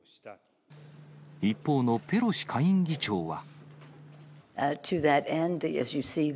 一方のペロシ下院議長は。